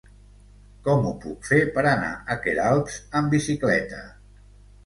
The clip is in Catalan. Com ho puc fer per anar a Queralbs amb bicicleta?